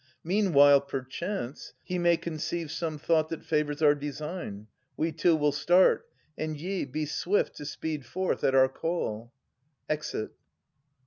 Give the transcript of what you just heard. Meanwhile, perchance, he may conceive some thought That favours our design. We two will start; And ye, be swift to speed forth at our call. \Exit.